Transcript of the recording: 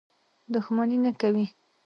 دښمني نه کوي.